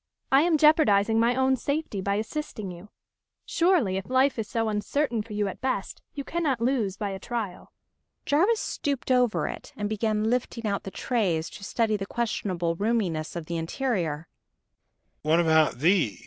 I am jeopardizing my own safety by assisting you. Surely, if life is so uncertain for you at best, you cannot lose by a trial." Jarvis stooped over it, and began lifting out the trays, to study the questionable roominess of the interior.